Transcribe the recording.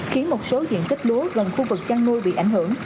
khiến một số diện tích lúa gần khu vực chăn nuôi bị ảnh hưởng